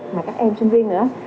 và các em sinh viên nữa